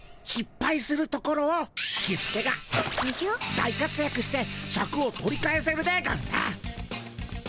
大かつやくしてシャクを取り返せるでゴンス。